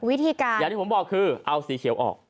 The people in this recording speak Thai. อย่างที่ผมบอกคือเอาสีเขียวออก